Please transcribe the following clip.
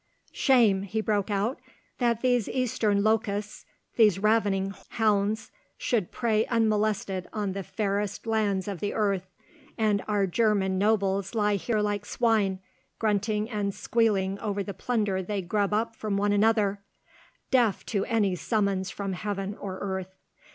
"Shame," he broke out, "that these Eastern locusts, these ravening hounds, should prey unmolested on the fairest lands of the earth, and our German nobles lie here like swine, grunting and squealing over the plunder they grub up from one another, deaf to any summons from heaven or earth!